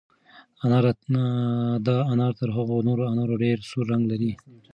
دا انار تر هغو نورو انارو ډېر سور رنګ لري.